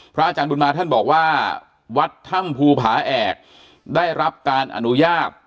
อาจารย์บุญมาท่านบอกว่าวัดถ้ำภูผาแอกได้รับการอนุญาต